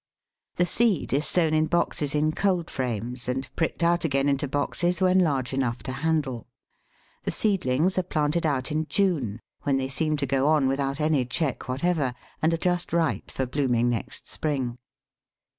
The seed is sown in boxes in cold frames, and pricked out again into boxes when large enough to handle. The seedlings are planted out in June, when they seem to go on without any check whatever, and are just right for blooming next spring.